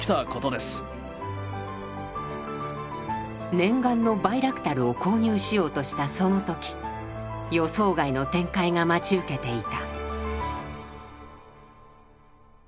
念願のバイラクタルを購入しようとしたその時予想外の展開が待ち受けていた。